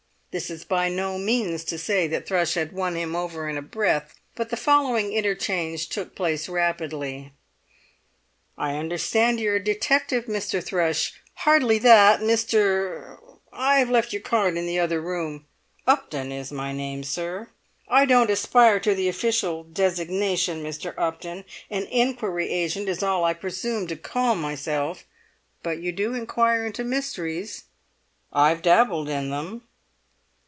This is by no means to say that Thrush had won him over in a breath. But the following interchange took place rapidly. "I understand you're a detective, Mr. Thrush?" "Hardly that, Mr.——I've left your card in the other room." "Upton is my name, sir." "I don't aspire to the official designation, Mr. Upton, an inquiry agent is all I presume to call myself." "But you do inquire into mysteries?" "I've dabbled in them."